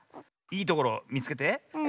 いいところみつけて。